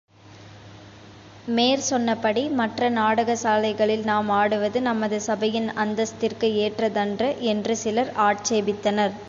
மேற் சொன்னபடி மற்ற நாடக சாலைகளில் நாம் ஆடுவது நமது சபையின் அந்தஸ்திற்கு ஏற்றதன்று என்று சிலர் ஆட்சேபித்தனர்.